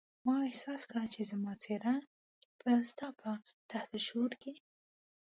ما احساس کړه چې زما څېره به ستا په تحت الشعور کې.